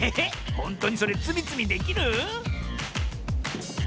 ほんとにそれつみつみできる？